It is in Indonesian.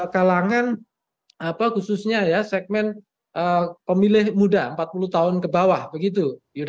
kalangan khususnya ya segmen pemilih muda empat puluh tahun ke bawah begitu